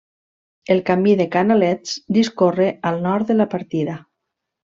El Camí de Canalets discorre al nord de la partida.